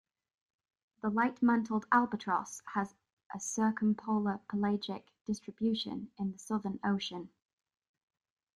The light-mantled albatross has a circumpolar pelagic distribution in the Southern Ocean.